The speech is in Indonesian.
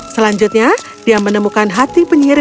selanjutnya dia menemukan hati penyiraman